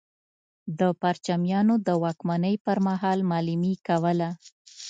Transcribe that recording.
د پرچمیانو د واکمنۍ پر مهال معلمي کوله.